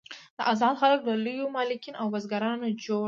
دا آزاد خلک له لویو مالکین او بزګرانو جوړ وو.